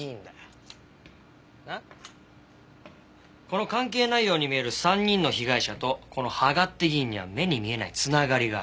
この関係ないように見える３人の被害者とこの芳賀って議員には目に見えない繋がりがある。